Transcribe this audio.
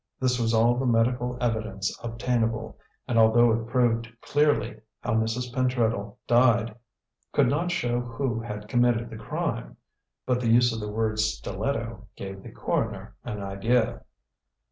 This was all the medical evidence obtainable, and although it proved clearly how Mrs. Pentreddle died, could not show who had committed the crime. But the use of the word "stiletto" gave the coroner an idea.